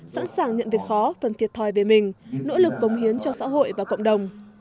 sẵn sàng nhận việc khó phần thiệt thòi về mình nỗ lực công hiến cho xã hội và cộng đồng